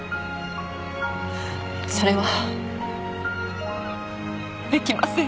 それはできません。